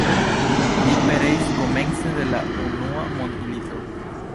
Li pereis komence de la Unua mondmilito.